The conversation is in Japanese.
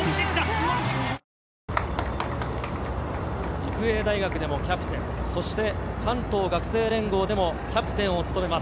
育英大学でもキャプテン、そして関東学生連合でもキャプテンを務めます